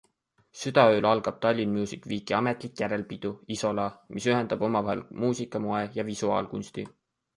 Südaööl algab Tallinn Music Weeki ametlik järelpidu ISOLA, mis ühendab omavahel muusika, moe ja visuaalkunsti.